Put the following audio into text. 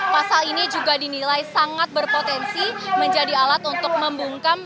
pasal ini juga dinilai sangat berpotensi menjadi alat untuk membungkam